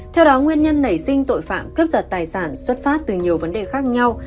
theo đó nguyên nhân nảy sinh tội phạm cướp giật tài sản xuất phát từ nhiều vấn đề khác nhau